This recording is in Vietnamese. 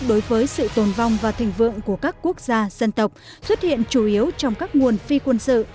đối với sự tồn vong và thịnh vượng của các quốc gia dân tộc xuất hiện chủ yếu trong các nguồn phi quân sự